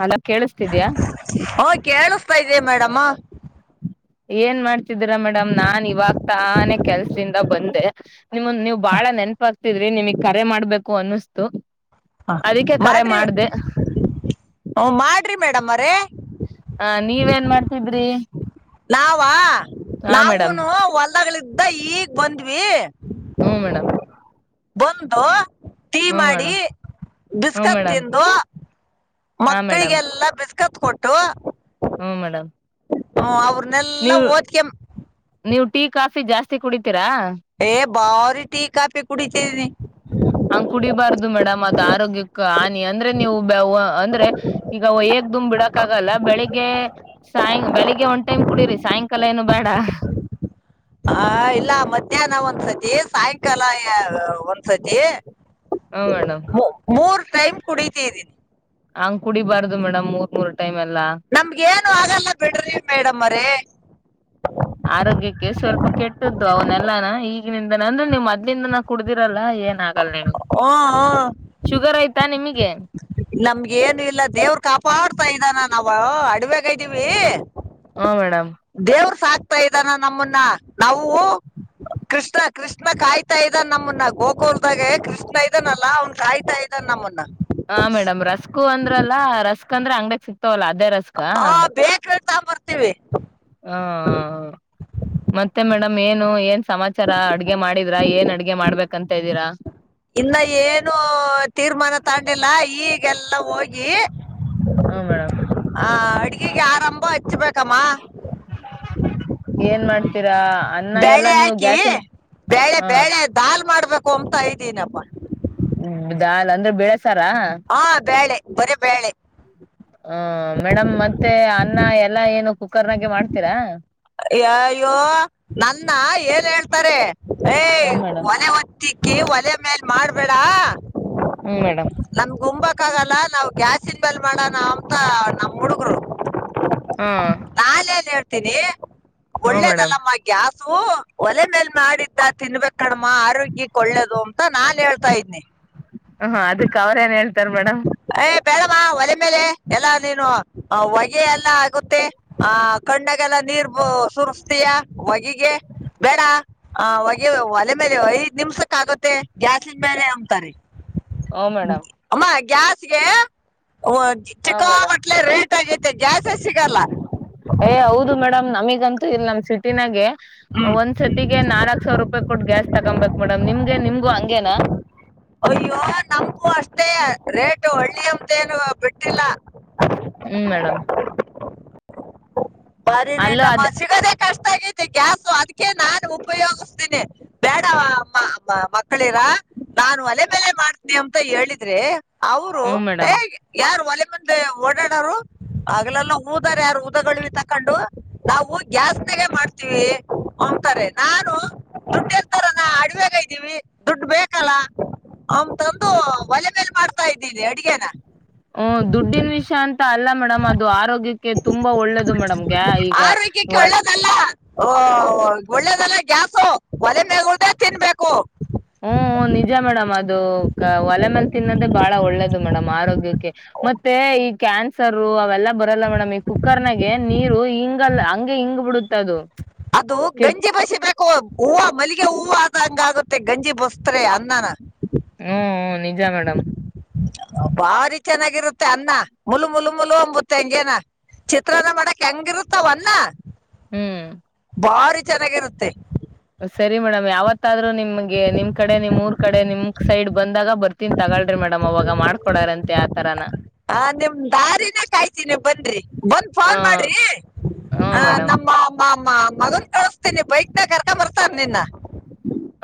Hello ಕೇಳಿಸ್ತಿದ್ಯಾ ಹೊ ಕೇಳಸ್ತಾ ಇದೆಯ ಮೇಡಂಮು. ಏನ್ ಮಾಡ್ತಿದ್ದೀರಾ ಮೇಡಮ್ ನಾನ್ ಇವಾಗ್ ತಾನೇ ಕೆಲ್ಸದಿಂದ ಬಂದೆ ನಿಮನ್ನ ನೀವ್ ಬಾಳ ನೆನ್ಪಾಗ್ತಿದ್ರಿ ನಿಮಗ್ ಕರೆ ಮಾಡ್ಬೇಕು ಅನ್ನಿಸ್ತು. ಹಾ ಅದಕ್ಕೆ ಕರೆ ಮಾಡ್ರಿ ಮಾಡ್ದೆ ಓ ಮಾಡ್. ರಿ ಮೇಡಮ್ ಅವರೇ. ಹ ನೀವೇನ್ ಮಾಡ್ತಿದ್ರಿ. ನಾವ ಹಾ ಮೇಡಮ್ ನಾವುನು ಹೊಲ್ಲದಗಳಿದ್ದ. ಅದ ಈಗ್ ಬಂದ್ವಿ. ಹ್ಮ ಮೇಡಮ್ ಬಂದೋ ಟೀ ಹ್ಮ ಮಾಡಿ ಮೇಡಮ್ ಹ್ಮ ಬಿಸ್ಕತ್ ಮೇಡಮ್ ತಿಂದೊ ಹಾ ಮೇಡಮ್ ಮಕ್ಕಳಿಗೆಲ್ಲಾ ಬಿಸ್. ಕತ್ ಕೊಟ್ಟೋ. ಹ್ಮ ಮೇಡಮ್ ಹ್ಮ ಅವರ್ ನೆಲ್ಲಾ ಓದೆಕೆಮ್. ನೀವು ಟೀ ಕಾಫಿ ಜಾಸ್ತಿ ಕುಡಿತೀ. ದ ಏ ಬಾರಿ ಟೀ ಕಾಫಿ ಕುಡಿ. ಹಂಗ್ ಕುಡಿಬಾರ್ದು ಮೇಡಮ್ ಅದ್ ಆರೋಗ್ಯಕ್. ಕ್ ಹಾನಿ ಅಂದ್ರೆ ನೀವು ಅಂದ್ರೆ ಈಗ ಹೆಕ್ ದಮ್ ಬಿಡಕ್ ಆಗಲ್ಲ ಬೆಳಿಗ್ಗೆ ಸಾಯ್ ಬೆಳಿಗ್ಗೆ ಒಂದ್ ಟೈಮ್ ಕುಡಿರೀ ಸಾಯಂಕಾಲ ಏನು ಬೇಡ. ಹ ಇಲ್ಲ ಮಧ್ಯಾಹ್ನ ಒಂದ್ಸತಿ. ಹೇ ಸಾಯಂಕಾಲ ಒಂದ್ಸತಿ ಹ್ಮ ಮೇಡಮ್ ಮೂ ಮೂರ್. ಟೈಮ್ ಕುಡಿತಿದೀನಿ. ಹಂಗ್ ಕುಡಿಬಾರ್ದು ಮೇಡ್ ಮೂರ್ ಮೂರ್. ಟೈಮ್ ಎಲ್ಲಾ ನಮ್ಗ್ ಏನು ಆಗಲ್ಲ ಬಿಡ್ರಿ ಮೇಡಮ್ ಅವ್ರೆ. ಆರೋಗ್ಯಕ್ಕೆ ಈಗಿಂದ ಅಂದ್ರೆ ಮೊದ್ಲಿನ್ದನು ಕುಡಿರಲ್ಲ ಏನು ಆಗಲ್ಲ. ಆಗಲ್ಲ ನಿಮಗ್ ಹ್ಮ್ ಶುಗರ್ ಆಯ್ತಾ ನಿಮಗ್. [unintelligible] ನಮ್ಗಏನು ಇಲ್ಲ ದೇವ್ರ ಕಾಪಾಡ್ತಾ ಇದ್ದಾನ ನಾವ್ ಅಡವಾಗೆ ಇದ್ದೀವಿ. ಹ್ಮ್ ಮೇಡಮ್ ಸಾಕ್ತಾ ಇದಾನ ನಮ್ಮನ್ನ ನಾವು ಕೃಷ್ಣ ಕೃಷ್ಣ ಕಾಯ್ತಾ ಇದಾನ ನಮ್ಮನ್ನ ಗೋಕೂರ್ದಾಗೆ ಕೃಷ್ಣ ಇದಾನಲ್ಲ ಅವ್ನ್ ಕಾಯ್ತಾ ಇದಾನ ನಮ್ಮನ್ನ. ಹಾ ಮೇಡಮ್ ರಸ್ಕು ಅಂದ್ರಲ್ಲಾ ರಸ್. ಅಕಂದ್ರ ಅಂಗಡಿಲ್ ಸಿಕ್. ಸಿಕ್ತವಲ್ಲ ಅದೇ ರಸ್ಕ್ಕಾ. ತಾ ಬರ್ತೀವಿ. ಹಾ ಮತ್ತೆ ಮೇಡಮ್ ಮೇನು ಏನ್ ಸಮಾಚಾರ ಅಡ್ಗೆ ಮಾಡಿದ್ರಾ ಏನ್ ಅಡ್ಗೆ ಮಾಡ್ಬೇಕಂತ್ದೀರಾ. ಇನ್ನ ಏನು ತೀರ್ಮಾನ ತಗಂಡಿಲ್ಲ ಈಗೆಲ್ಲ ಹೋಗಿ. ಹಾ ಮೇಡಮ್ ಹ ಅಡ್ಗೆಗೆ ಆರಂಭ ಹಚ್ಬೇಕಮ್ಮ. ಏನ್ ಮಾಡ್ತ. ಬೇಳೆ ಹಾಕಿ ಬೇಳೆ ಹ ಬೇಳೆ ದಾಲ್ ಮಾಡ್ಬೇಕ. ಕೋಂ ಅಂತ ಇದಿನಪ್ಪ. ದಾಲ್ ಅಂದ್ರೆ ಬೆಳೆ ಸಾ. ಹಾ ಬ್ಯಾಳೆ ಬರಿ ಬೇಳೆ ಹ್ಮ್ ಮೇಡಮ್ ಮತ್ತೆ ಅನ್ನ ಎಲ್ಲಾ ಏನು ಕುಕ್ಕರ್ ನಾಗೇ ಮಾಡ್ತೀರಾ. ಹೇ ಅಯ್ಯೋ ನನ್ನ ಏನ್ ಹೇಳ್ತಾರೆ. ಹೇ ಹ ಮೇಡಮ್ ಒಲೆ ಹೊತ್ತಿಕ್ಕಿ ಓಲೆ ಮೇಲ್ ಮಾಡ್. ಬೇಡ ಹ್ಮ್ ಮೇಡಮ್ ನಮಗ್ ಉಂಬಕ್ ಆಗಲ್ಲ ನಾವ್ ಗ್ಯಾಸ್ ಇನ್ ಮೇಲ್ ಮಾಡಣ. ನಮ್ಮ್ ಹುಡುಗರು. ಹ್ಮ್ ತಿನ್ನಿ ಒಳ್ಳೇದಲ್ಲಮ್ಮ ಗ್ಯಾಸ್. ತು ಓಲೇ ಮೇಲ್ ಮಾಡಿದ್ದ ತಿನ್ಬೇಕ್ ಕಣಮ್ಮ ಆರೋಗ್ಯ ಒಳ್ಳೇದು ಅಂತ ನಾನ್ ಹೇಳ್ತಾ ಇದನಿ. ಹ ಹ ಅದಕ್ ಅವ್ರ ಏನ್ ಹೇಳ್. ತರ್ ಮೇಡಂ ಏ ಬೇಡಮ್ಮ ಓಲೇ ಮೇಲೆ ಎಲ್ಲ ನೀನು ಹೊಗೆ ಎಲ್ಲ ಆಗುತ್ತೆ ಆ ಕಣ್ಣ್. ಲ್ಲ ನೀರ್ ಬು ಸುರ್ ಯ ಹೊಗೆಗೆ ಬೇಡ ಆ ಹೊಗೆ ಒಲೆ ಮೇಲೆ ಐದ್ ನಿಮ್ಷಕ್ಕೆ ಆಗತ್ತೆ ಗ್ಯಾಸಿನ ಮೇಲೆ ಅಂಥರೇ ಹ್ಮ್ ಮೇಡಮ್ ಅಮ್ಮ ಗ್ಯಾಸ್ ಗೆ. ಹೊ ಹ ಚಿಕ್ಕಾ ಮೇಡಮ್ ಮಟ್ಲೆ ರೇಟ್ ಆಗತೆ ಗ್ಯಾಸೇ ಸಿಗಲ್ಲ. ಏ ಹೌದು ಮೇಡಮ್ ನಮಿಗಂತೂ ಇಲ್ ನಮ್ ಸಿಟಿನಾಗೆ. ಹ್ಮ್ ಒಂದ್ ಸತಿಗೆ ನಾಲ್ಕ್ ಸಾವಿರ ರೂಪಾಯಿ ಕೊಟ್ಟು ಗ್ಯಾಸ್. ತಕಂಬೇಕ್ ಮೇಡಮ್ ನಿಮ್ಗೆ ನಿಮ್ಗು ಹಂಗೇನಾ. ಅಯ್ಯೋ ನಮಗೂ ಅಷ್ಟೇ ರೇಟ್ ಹಳ್ಳಿಯವರದೇನು. ಬೆಟ್ಟಿಲ್ಲ ಹ್ಮ್ ಮೇಡಮ್ ಬಾರಿ ಅಲ್ಲೂ ರೇಟಮ್ಮ ಅದ್ ಸಿಗದೆ. ಕಷ್ಟ ಆಗೈತೆ ಗ್ಯಾಸು ಅದಕ್ಕೆ ನಾನು ಉಪಯೋಗಿಸತೀನಿ ಬೇಡ ಮಕ್ಕಳಿರ. ನಾನು ಓಲೆ ಮೇಲೆ ಮಾಡ್ತೀಯಂ. ಅಂತ ಹೇಳಿದ್ರೆ. ಅವರು ಹ್ಮ್ ಮೇಡಮ್ ಹೇ ಯಾರ್ ಓಲೆ. [unintelligible] ಓಡಾಡರು ಆಗ್ಲೆಲ್ಲ ಊದರ್ ಯಾರು ಊದಗೊಲ್ವಿ ತಗೊಂಡ್. ಹಕಂಡು ನಾವು ಗ್ಯಾಸ್ನಾಗೆ ಮಾಡ್ತೀವಿ ಅಂತಾರೆ ನಾನು ದುಡ್ ಇರ್ತಾರ ನ ಅಡವಾಗ ಇದ್ದೀವಿ ದುಡ್ಡು ಬೇಕಲ್ಲ ಅಂತಂದು ಓಲೆ ಮೇಲ್ ಮಾಡ್ತಾ ಇದ್ದೀನಿ ಅಡಗೆನ. ಹೂ ದುಡ್ಡಿನ ವಿಷ ಅಂತ್. ಅಲ್ಲ ಮೇಡಮ್ ಅದು ಆರೋಗ್ಯಕ್ಕೆ ತುಂಬಾ ಒಳ್ಳೇದು ಮೇಡಮ್ ಗ್ಯಾ ಈಗ ಓಲ್. ಓ ಒಳ್ಳೇದಲ್ಲ ಗ್ಯಾಸು ಓಲೆ ಮ್ಯಾಳ್ ಗುದೆ ತಿನ್ಬೇಕು. ಹ್ಮ್ ಹ್ಮ್ ನಿಜ ಮೇಡಮ್ ಅದ್. ಅದು ಒಲೆ ಮೇಲೆ ತಿನ್ನೋದೇ ಬಹಳ ಒಳ್ಳೇದು ಮೇಡಮ್ ಆರೋಗ್ಯಕ್ಕೆ. ಮತ್ತೆ ಈ ಕ್ಯಾನ್ಸರ್ರು ಅವೆಲ್ಲ. ಬರಲ್ಲ ಮೇಡಮ್ ಈ ಕುಕ್ಕರ್ ನಾಗೆ ನೀರು ಹಿಂಗಲ್ಲ ಹಂಗೆ ಹಿಂಗ್ ಬಿಡುತ್. ತದು ಅದು ಗಂಜಿ ಬಸಿ ಬೇಕು. ಹೂವ ಮಲ್ಲಿಗೆ ಹೂವ ಆದಂಗ್ ಆಗುತ್ತೆ ಗಂಜಿ ಬಸದ್ರೆ ಅನ್ನನ. ಹ್ಮ್ ಹ್ಮ್ ನಿಜ ಮೇಡಮ್. ಬಾರಿ ಚೆನ್ನಾಗಿರುತ್ತೆ ಅನ್ನ ಮುಲು ಮುಲು ಮುಲು ಅಂಬುತ್ತೆ ಹಂಗೇನ ಚಿತ್ರಾನ್ನ ಮಾಡಕ್ ಹೆಂಗಿರುತ್ತಾವ ಅನ್ನ. ಹ್ಮ್ ಬಾರಿ ಚೆನ್ನಾಗಿರುತ್ತೆ. ಸರಿ ಮೇಡಮ್ ಯಾವತ್ತಾದ್ರೂ ನಿಮ್. ನಿಮಗೆ ನಿಮ್ ಕಡೆ ನಿಮ್ ಊರ್ ಕಡೆ ನಿಮ್ ಸೈಡ್ ಬಂದಾಗ ಬರ್ತೀನಿ ತಗಳ್ರಿ ಮೇಡಮ್ ಅವಾಗ ಮಾಡ್ಕೊಡಾರಂತೆ ಆತರಾನ ಆ ನಿಮ್ ದಾರಿನ ಕಾಯ್ತೀನಿ ಬನ್ರಿ ಬಂದ್ ಹ ಫೋನ್ ಮಾಡ್ರಿ ಹ ಮೇಡಮ್. ನಿಮ್ಮ ಮಗನ್ ಕಳ್ಸ್. ಕಳ್ಸ್ತೀನಿ ಬೈಕ್ನಾಗ ಕರ್ಕ ಬರ್ತಾನ ನಿನ್ನ.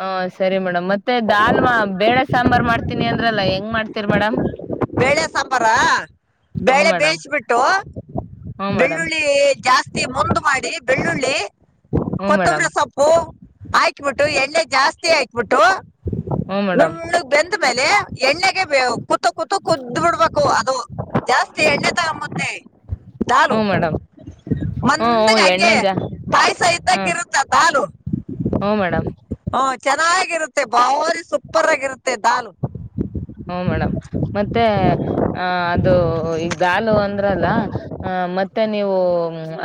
ಹ ಸರಿ ಮೇಡಮ್ ಮ ಅಂದ್ರಲ್ಲ ಹೆಂಗ್ ಮಾಡ್ತೀರಿ ಮೇಡಮ್ [inaudible] ಬೇಳೆ ಸಾಂಬಾರ ಹ್ಮ್ ಬೆೇಳೆ ಮೇಡಮ್ ಬೇಯಿಸಿಬಿಟ್ಟು ಹ್ಮ್ ಮೇಡಮ್ ಬೆಳ್ಳುಳ್ಳಿ ಜಾಸ್ತಿ ಮುಂದ್ ಮಾಡಿ ಬೆಳ್ಳುಳ್ಳಿ. ಹ್ಮ್ ಮೇಡಮ್ ಕೊತ್ತಂಬರಿ ಸೊಪ್ಪು. ಆಕ್ಬಿಟ್ಟು ಎಣ್ಣೆ ಜಾಸ್ತಿ ಆಯಕ್ಬಿಟ್ಟು. ಹ್ಮ್ ಮೇಡಮ್ ನುಣ್ಣಗ್ ಬೆಂದ್ಮೇಲೆ ಎಣ್ಣೆಗೆ ಕೂತು ಕೂತು ಕುದ್ ಬಿಡ್ಬೇಕು ಅದು ಜಾಸ್ತಿ ಎಣ್ಣೆ ತಗ ಮುತ್ತೆ ಹ್ಮ ದಾಲು ಮೇಡಮ್ ಹ್ಮ ಹ್ಮ ಮಂದಗ ಎಣ್ಣೆ ಹಂಗೆ ಜಾ ಪಾಯಸ ಇದ್ದಂಗ ಇರುತ್ತ ದಾಲು. ಹ ಮೇಡಮ್. ಹ್ಮ್ ಚೆನ್ನಾಗಿರುತ್ತೆ. ತ್ತೆ ಬಾರಿ ಸೂಪರ್ ಆಗಿರುತ್ತೆ ದಾಲು. ಹ ಮೇಡಮ್ ಮತ್ತೆ ಆ ಅದು ಈಗ ದಾಲು ಅಂದ್ರಲ್ಲ ಆ ಮತ್ತ. ಮತ್ತೆ ನೀವು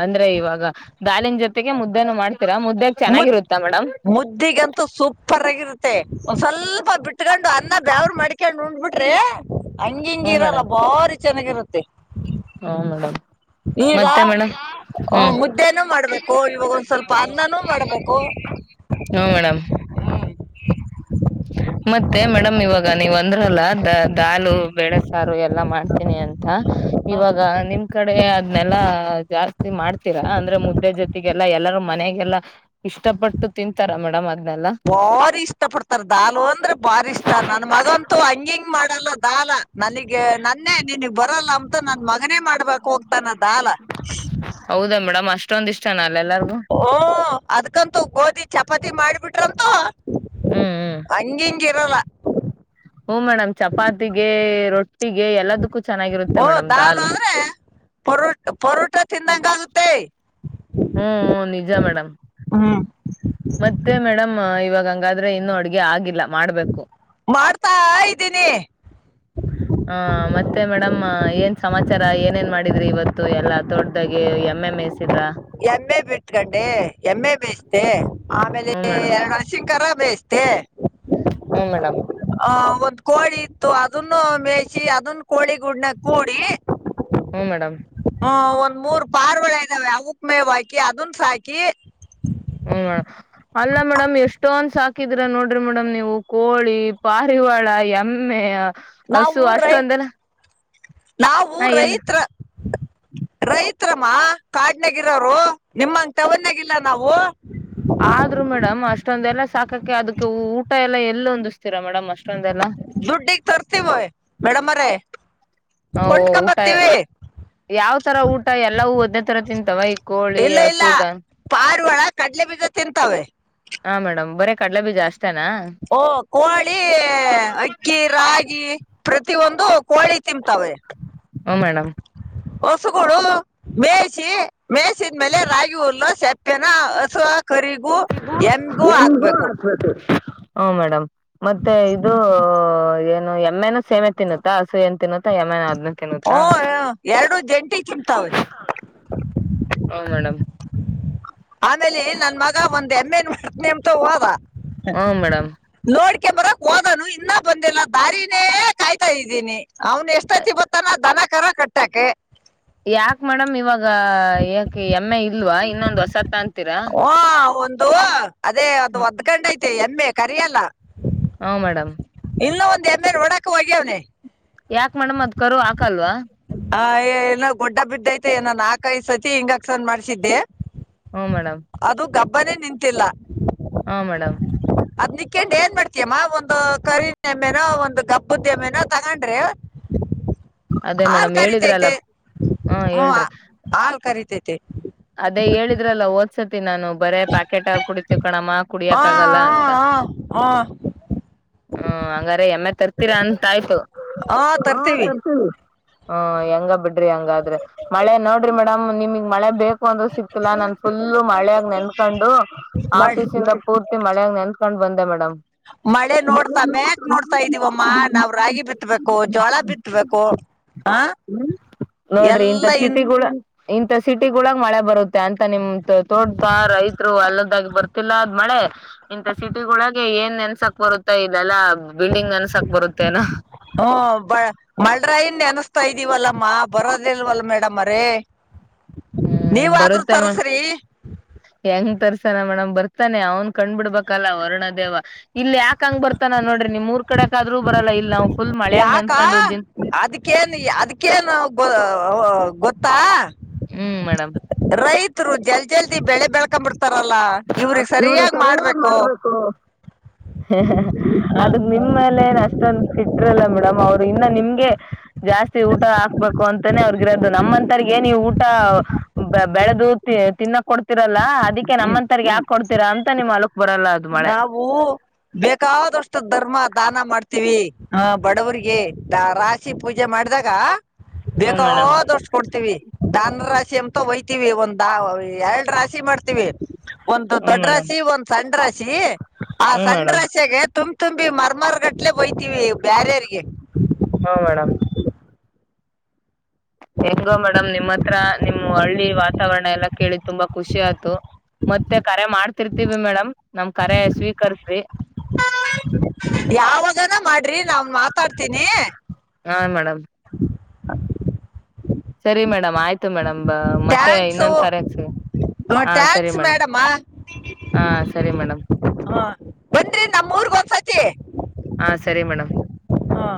ಅಂದ್ರೆ ಇವಾಗ ದಾಲನ್ ಜೊತೆಗೆ ಮುದ್ದೇನು ಮಾಡಿ. ಮುದ್ ಮುದ್ದಿಗಂತೂ ಸೂಪರ್ ಆಗಿರುತ್ತೆ ಒಂದ ಸ್ವಲ್ಪ ಬಿಟ್ಕೊಂಡು ಅನ್ನ ಬೇವ್ರ ಮಾಡ್ಕೊಂಡು ಉಂಡ್. ಟ್ರೇ. ಹಂಗ್ ಹಿಂಗ್ ಹ್ಮ ಇರಲ್ಲ ಬಾರಿ. ಚೆನ್ನಾಗಿರುತ್ತೆ. ಹಾ ಮೇಡಮ್. ಈಗ ಮತ್ತೆ ಮೇಡಮ್ ಹ್ಮ್ ಮುದ್ದೆನೂ ಮಾಡ್ಬೇಕು ಇವಾಗ ಒಂದ್ ಸ್ವಲ್ಪ ಅನ್ನನೂ ಮಾಡ್ಬೇಕು. ಹ್ಮ ಮೇಡಮ್ ಮತ್ತೆ ಮೇಡಮ್ ಇವಾಗ ನೀವ್ ಅಂದ್ರಲ್ಲ ದ ದಾಲು ಬೆೇಳೆಸಾರು ಎಲ್ಲಾ ಮಾಡ್ತೀನಿ ಅಂತ. ತ ಇವಾಗ ನಿಮ. ಕಡೆ ಅದ್ನೆಲ್ಲಾ ಜಾಸ್ತಿ ಮಾಡ್ತೀರಾ ಅಂದ್ರೆ ಮುದ್ದೆ ಜೊತೆಗೆಲ್ಲಾ ಎಲ್ಲರೂ ಮನೆಗೆಲ್ಲಾ ಇಷ್ಟಪಟ್ಟು ತಿಂತಾರ ಮೇಡಮ್ ಅದ ಬಾರಿ ಇಷ್ಟ ಪಡ್ತಾರ. ದಾಲು ಅಂದ್ರೆ ಬಾರಿಷ್ಟ ನನ್ ಮಗಂತು ಹಂಗ ಹಿಂಗ ಮಾಡಲ್ಲಾ. ದಾಲ. ನನಗ ನನ್ನೇ ನಿನಗ್ ಬರಲ್ಲ ಅಂತ ನನ್ ಮಗನೇ ಮಾಡ್ಬೇಕ್ ಹೋಗ್ತಾನ ದಾಲ. ಹೌದಾ [unintelligible] ಎಲ್ಲಾರ್ಗು ಓ ಅದ್ಕಂತೂ ಗೋಧಿ ಚಪಾ ತ್ತಿ ಮಾಡ್ಬಿಟ್ರಂತು. ಹ್ಮ್ ಹ್ಮ್ ಹಂಗ್ ಹಿಂಗ್ ಇರಲ್ಲ. ಹ್ಮ ಮೇಡಮ್ ಚಪಾತಿಗೆ ರೊಟ್ಟಿಗೆ ಎಲ್ಲದಕ್ಕೂ ಚೆನ್ನಾಗಿರುತ್ತೆ ಓ ಮೇಡಮ್ ದಾಲ್ ದಾಲು ಅಂದ್ರೆ ಪರೋಟ್ ಪರೋಟ ತಿಂದಂಗ ಆಗುತ್ತೆ. ಹ್ಮ್ಹೂ ನಿಜ ಮೇಡಮ್ ಹ್ಮ್ ಮತ್ತೆ ಮೇಡಮ್ ಇವಾಗ. ಹಂಗಾದ್ರೆ ಇನ್ನುೂ ಅಡುಗೆ ಆಗಿಲ್ಲ. ಮಾಡ್ಬೇಕು ಮಾಡ್ತಾ ಇದ್ದೀನಿ. ತರ ಏನೇನ್ ಮಾಡಿದ್ರಿ ಇವತ್ತು ಎಲ್ಲಾ ತೋಟದಾಗೆ ಎಮ್ ಏಮ್ ಮೇ ಯಸ್. ಎಮ್ಮೆ ಬಿಟ್ಕಂಡೆ ಎಮ್ಮೆ ಮೇಯಿಸಿದೆ ಆಮೇಲೆ ಹ್ಮ್ ಮೇಡಮ್ ಎರಡು ಹಸುಕರ ಮೇಯಿಸಿದೆ. ತೆ. ಹ್ಮ್ ಮೇಡಮ್. ಒಂದ್ ಕೋಳಿ ಇತ್ತು ಅದನ್ನು ಮೇಯಿಸಿ ಅದನ್ನ ಕೋಳಿ ಗುಡೂ ನಾಗ ಕೂಡಿ. ಹ್ಮ್ ಮೇಡಮ್. ಆ, ಮೂರ್ ಪಾರಿವಾಳ ಇದ್ದಾವೆ ಅ. ಮೇವು ಹಕಿ ಅದನ್ ಸಾಕಿ. ಹ್ಮ್ ಮೇಡಮ್ ಅಲ್ಲ ಮೇಡಮ್ ಎಷ್ಟೊಂದ ಸಾಕಿದ್ರ ನೋಡ್ರಿ ಮೇಡಮ್ ನೀವು ಕೋಳಿ ಪಾರಿವಾಳ ಎಮ್ಮೆ. ನಾವ್ ಹಸು ಊರ ರೈತ ಅಷ್ಟೊಂದೆಲ್ಲ ನಾವ ಹ ರೈತ್ರ. ರೈತ್ರಮ್ಮ ಕಾಡ್ನ್ಗ ಇರೋರು ನಿಮ್ಮಂಗ ಟೌನ್ ನಾಗ ಇಲ್ಲ ನಾವು. ಆದ್ರು ಮೇಡಮ್ ಅಷ್ಟೊಂದೆಲ್ಲ ಸಾಕ್. ಹಾಕೋಕೆ ಅದಕ್ಕೆ ಊಟ ಎಲ್ಲ ಎಲ್ಲ ಒಂದಿಸ್ತೀರ ಮೇಡಮ್. ಅಷ್ಟೊಲ್ಲ ದುಡ್ಡಿಗ್ ತರ್ತೀವಿ ಮೇಡಮರೇ ಹ ಊಟ ಕೊಂಡ್ಕೊಂಬರ್ತೀವಿ ಯಾವ್ ತರ ಊಟ ಎಲ್ಲವು ಒಂದ್ದೇ ತರ ತಿಂತಾವ ಈ ಕೋಳಿ ಹಸು ದನ. ಒಳಗ ಕಡ್ಲೆ ಬೀಜ ತಿಂತಾವೆ. ಹಾ ಮೇಡಮ್ ಬರೇ ಕಡಲೆ ಬೀಜ ಅಷ್ಟ್. ಓ ಕೋಳಿ ಅಕ್ಕಿ ರಾಗಿ ಪ್ರತಿಯೊಂದು. ಅದು ಕೋಳಿ ತಿಂತಾವೇ. ಓ ಮೇಡಮ್. ಹಸುಗಳು ಮೇಯಿಸಿ ಮೇಯಿಸಿದ್ಮೇಲೆ ರಾಗಿ ಹುಲ್ಲ ಸೆಪ್ಪೆನ ಹಸು ಹ. ಕರಿಗೂ ಎಮಗೂ ಹಾಕ್ಬೇಕು. ಹ್ಮ ಮೇಡಮ್. ಮತ್ತೆ ಇದು. ಏನು ಎಮ್ಮೆನ ಸೇಮೆ ತಿನ್ನುತ್ತಾ ಹಸು ಏನ್ ತಿನ್ನುತ್ತಾ ಎಮ್ಮೆನ ಆದ್ನ. ಹೊ ಎರಡು ಜಂಟಿ ತಿಂತತಾವ. ಹಾ ಮೇಡಮ್ ಆಮೇಲೆ ನನ್ ಮಗ ಬಂದ. ಎಮ್ಮೆನಾ ಹುಡುಕ್ತಿನಿ ಅಂತ ಹೋದ ಹ್ಮ ಮೇಡಮ್ ನೋಡಿ. ಬರೋಕೆ ಹೋದನು ಇನ್ನ ಬಂದಿಲ್ಲ ದಾರಿನೇ ಕಾಯ್ತಾ ಇದ್ದೀನಿ. ಅವನು ಎಷ್ಟೊತ್ತಿಗೆ ಬರ್ತಾನ ಅದರ ಮೇಲೆ. ಕರ ಕಟ್ಟೋಕೆ. ಯಾಕ್ ಮೇಡಮ್ ಇವಾಗ ಯಾಕೆ ಎಮ್ಮೆ. ಇಲ್ವಾ ಇನ್ನೊಂದ್ ಹೊಸದು ತಗೊಂತೀರಾ. ಅದು. ಅದೇ ಅದು ಒದ್ಕಂಡ್ ಐತೆ ಎಮ್ಮೆ. ಕರಿಯಲ್ಲ. ಹಾ ಮೇಡಮ್. ಇನ್ನ್ ಒಂದ್ ಎಮ್ಮೆ ನೊಡಾಕ್ ಹೋಗ್ಯವ್ನನೆ. ಯಾಕ್ ಮೇಡಮ್ ಅದ್ ಕರು ಆಕಲ್ವಾ. ಹ ಏನೋ ಗೊಡ್ಡ ಬಿದ್ದೈತೆಏನನ್ ನಾಕ ಐ್ ಸತಿ ಇಂಜೆಕ್ಷನ್ ಮಾಡ್ಸಿದ್ದೆ. ಹ್ಮ ಮೇಡಮ್. ಬರಿ ನಿಂತಿಲ್ಲ. ಹಾ ಮೇಡಮ್. ಹಕಂಡ್ ಏನ್ ಮಾಡಡ್ತಯಮ್ಮ ಒಂದು ಕರಿನ್ ಎಮ್ಮೆನೋ ಒಂದು ಗಬ್ಬದ ಎಮ್ಮೆನೋ ತಗೊಂಡ್ರಿ. ಅದೇ ಮೇಡಮ್. ಹೇಳಿದ್ರಲ್ಲ ಕರೀತೈತೆ ಹ್ಮ ಹು ಹೇಳ್ರಿ ಹಾಲ. ತೆ. ಸತಿ ನಾನು. ಬರೇ ಪ್ಯಾಕೆಟ್ ಹಾಲ್ ಕುಡಿತೀವಿ ಕಣಮ್ಮ ಹಾ ಕುಡಿಯಕ್ ಆಗಲ್ಲ ಅಂತ. ಹಾ ಹಾ ಹ್ಮ್ ಹಂಗ. ಎಮ್ಮೆ ತರ್ತೀರಾ ಅಂತ ಆಯ್ತು ಹ ತರ್ತೀವಿ. ಹ್ಮ ಹೆಂಗ ಬಿಡ್ರಿ ಹಂಗಾದ್ರೆ ಮಳೆ ನೋಡ್ರಿ ಮೇಡಮ್ ನಿಮಗ್ ಮಳೆ ಬೇಕ. ಒಂದು. ಸಿಗ್ತಿಲ್ಲ ನನ್ ಫುಲ್ಲು ಮಳೆಯಾಗ ನೆನ್ಕೊಂಡು ಮಳ್- ಆಫೀಸ್ ಇಂದ ಪೂರ್ತಿ ಮಳೆ. ನೆನ್ತ್ಕೊಂಡ ಬಂದ ಮೇಡಮ್. ಮಳೆ ನೋಡ್ತಾ ಮ್ಯಾಕ್ ನೋಡ್ತಾ ಇದೀವಮ್ಮ ನಾವ್ ರಾಗಿ ಬಿತ್ಬೇಕು ಜೋಳ ಬಿತ್ಬೇಕು ಹ ನೋಡ್ರಿ ಇಂತ ಎಲ್ಲಾ ಇನ್. ಸಿಟಿಗಳ ಇಂತ ಸಿಟಿಗೊಳಗ್. ಮಳೆ ಬರುತ್ತೆ ಅಂತ ನಿಮ ತೋಟದ ರೈತರು ಹೊಲದಾಗ ಬರ್ತಿಲ್ಲ ಅದ್ ಮಳೆ. ಇಂಥ ಸಿಟಿ ಒಳಗೆ ಏನ್ ನೆನ್ಸಾಕ್ ಬರುತ್ತೆ ಇಲ್ಲಲ್ಲಾ ಬಿಲ್ಡಿಂಗ್ ನೆನ್ಸಾಕ್ ಬರುತ್ತೇನ. ಮಲ್ಡ್ರಯನ ನೆನಸ್ತಾ ಇದೀವಲ್ಲಮ್ಮ ಬರೋದಿಲ್ವಲ್ ಮೇಡಂ ಅವರೇ. ಹ್ಮ್ ಬರುತ್ತಮ್ಮ ಹೆಂಗ ತರ್ಸ. ಮೇಡಮ್ ಬರ್ತಾನೆ ಅವ್ನ್ ಕಣ್ಣ ಬಿಡ್ಬೇಕಲ್ಲ ವರಣದೇವ ಇಲ್ಲಿ ಯಾಕಂಗ ಬರ್ತಾನ ನೋಡ್ರಿ ನಿಮ್ ಊರು ಕಡೆಕ್ ಆದ್ರೂ ಬರಲ್ಲ ಇಲ್ಲ ನಾವು. ಯಾಕಾ ಅದಕ್ಕೇನ್ ಅದಕ್ಕೇನ್ ಗೋ ಅ. ಗೊತ್ತಾ. ಹ್ಮ್ ಮೇಡಮ್. ರೈತರು. ಜಲ್ದ ಜಲ್ದಿಳ ಬೆಳೆ ಬೆಳ್ಕೊಂಡ್ ಬಿಡ್ತಾರ. ಹಾ ಇವರಿಗೆ ಸರಿಯಾಗಿ ಮಾಡ್ಬೇಕು ಅದಕ್ಕ ನಿಮ್ಮ ಮೇಲೆ ಅಷ್ಟೊಂದುಟ್ಟ್ರಲ್ಲ ಬಿಡಮ್ಮ್ ಅವರು ಇನ್ನ ನಿಮ್ಮ. ಗೇ ಜಾಸ್ತಿ ಊಟ ಹಾಕ್ಬೇಕು. ಅಂತಾನೇ ಅವ್ರಗಿರೋದು ನಮ್ಮಂತರ್ಗ ಏ ನೀವು. ಬೇ ಬೆಳಗೆ ಬೆಳೆದು ತಿ ತಿನ್ನಕ್ ಕೊಡ್ತಿರಲ್ಲ. ಅದಕ್ಕೆ ನಮ್ಮ. ಯಾಕ ಕೊಡ್ತೀರ ಅಂತ ನಿಮ್ ಹೊಲಕ್ಕ ಬರಲ್ಲ. ಅದು ಮಳೆ ನಾವು ಬೇಕಾದಷ್ಟು ಧರ್ಮ ಅ. ದಾನ ಮಾಡ್ತೀವಿ ಹ ಬಡವಿಗೆ ರಾಶಿ ಪೂಜೆ ಮಾಡಿದಾಗ. ಹ್ಮ್ ಮೇಡಮ್ ಬೇಕದ ಅಷ್ಟ ಕೊಡ್ತೀವಿ ದಾನ. ರಿ ಎಂತ ಹೊಯ್ತಿೀವಿ ಒಂದ್ ಎರಡು ರಾಶಿ ಮಾಡ್ತೀವಿ. ಒಂದು ಹ್ಮ್ ದೊಡ್ಡ ಮೇಡಮ್ ರಾಶಿ ಒಂದು್ ಸಣ್ಣ ರಾಶಿ. ಆ ಹ್ಮ್ ಸನ್ ಮೇಡಮ್ ರಾಶಾಗೆ ತುಂಬಾ. ತುಂಬ ತುಂಬಿ ಮರ ಮರಗಟ್ಲೆ ಒಯ್ತೀವಿ ಬ್ಯಾರೆರಿಗೆ. ಹ ಮೇಡಮ್. ಹೆಂಗೋ ಮೇಡಮ್ ನಿಮ್ಮ ಹತ್ರ ನಿಮ್ಮ ಹಳ್ಳಿ ವಾತಾವರಣ ಎಲ್ಲಾ ಕೇಳಿದ ತುಂಬಾ ಖುಷಿ ಆಯ್ತು. ಮತ್ತೆ ಕರೆ ಮಾಡ್ತಿರ್ತೀವಿ ಮೇಡಮ್ ನಮ್ ಕರೆ ಸ್ವೀಕರ್ಸಿ. ಯಾವಾಗನ ಮಾಡ್ರಿ ನಾ್ನ್ ಮಾತಾಡ್ತೀನಿ. ಹಾ ಮೇಡಮ್. ಸರಿ ಮೇಡಮ್ ಆಯ್ತು ಮ ಮತ್ತೆ ಥ್ಯಾಂಕ್ಸು ಇನ್ನೊಂದ್ ಸರಿ ಹಾ ಸರಿ ಥ್ಯಾಂಕ್ಸ್ ಮೇಡಂ ಮೇಡಮ್ಮ ಹಾ ಸರಿ ಮೇಡಂ ಹ ಬನ್ರಿ ನಮ್ ಊರ್ಗ್ ಒಂದ್ಸತಿ ಹಾ ಸರಿ ಮೇಡಂ. ಹ